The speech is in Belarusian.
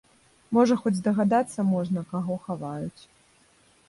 Можа хоць здагадацца можна, каго хаваюць.